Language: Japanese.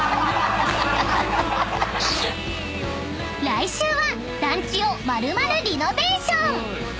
［来週は団地を丸々リノベーション！］